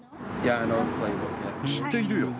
知っているよ。